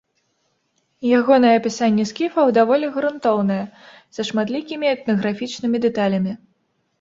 Ягонае апісанне скіфаў даволі грунтоўнае, са шматлікімі этнаграфічнымі дэталямі.